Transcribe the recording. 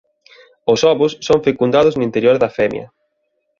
Os ovos son fecundados no interior da femia.